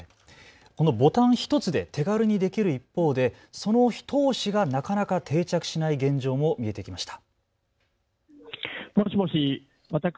ボタン１つで手軽にできる一方でその一押しがなかなか定着しない現状も見えてきました。